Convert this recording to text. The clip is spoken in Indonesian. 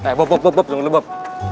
eh bob bob bob tunggu dulu bob